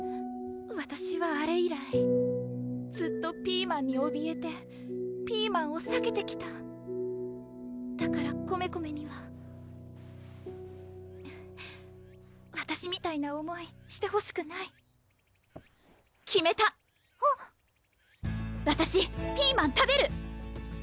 わたしはあれ以来ずっとピーマンにおびえてピーマンをさけてきただからコメコメにはわたしみたいな思いしてほしくない決めたわたしピーマン食べる！